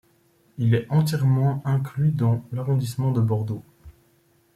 Il est entièrement inclus dans l'arrondissement de Bordeaux.